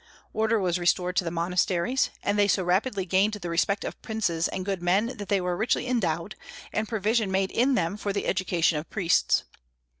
Order was restored to the monasteries; and they so rapidly gained the respect of princes and good men that they were richly endowed, and provision made in them for the education of priests.